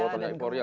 oh ternyata euforia